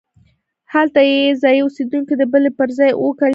هلته هم ځایي اوسېدونکو د بلې پر ځای اوو کلمه کاروله.